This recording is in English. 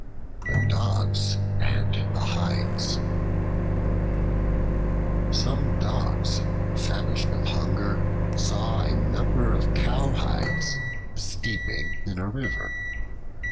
The Dogs and the Hides SOME DOGS famished with hunger saw a number of cowhides steeping in a river.